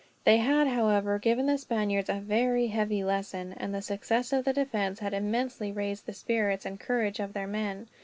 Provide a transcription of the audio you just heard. They had, however, given the Spaniards a very heavy lesson; and the success of the defense had immensely raised the spirit and courage of their men.